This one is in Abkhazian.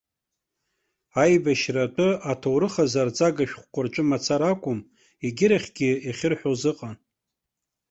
Аибашьра атәы, аҭоурых азы арҵага шәҟәқәа рҿы мацара акәым, егьирахьгьы иахьырҳәоз ыҟан.